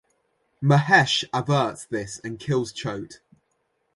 Mahesh averts this and kills Chote.